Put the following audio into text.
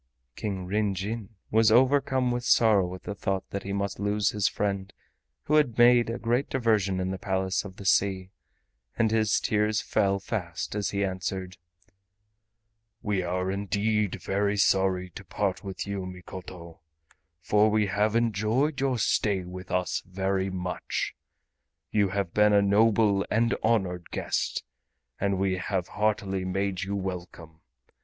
King Ryn Jin was overcome with sorrow at the thought that he must lose his friend who had made a great diversion in the Palace of the Sea, and his tears fell fast as he answered: "We are indeed very sorry to part with you, Mikoto, for we have enjoyed your stay with us very much. You have been a noble and honored guest and we have heartily made you welcome.